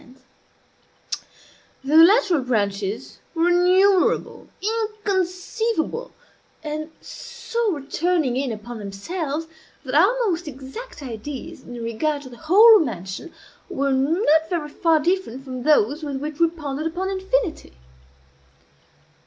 Then the lateral branches were innumerable, inconceivable, and so returning in upon themselves that our most exact ideas in regard to the whole mansion were not very far different from those with which we pondered upon infinity.